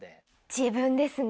自分ですね。